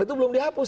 itu belum dihapus